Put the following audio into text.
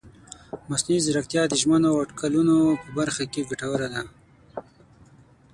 مصنوعي ځیرکتیا د ژمنو او اټکلونو په برخه کې ګټوره ده.